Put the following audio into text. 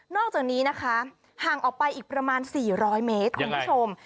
อกจากนี้นะคะห่างออกไปอีกประมาณ๔๐๐เมตรคุณผู้ชม